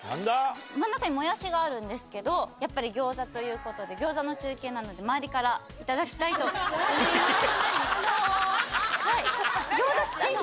真ん中にもやしがあるんですけど、やっぱりギョーザということで、ギョーザの中継なので、周りから頂きたいと思います。